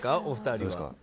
お二人は。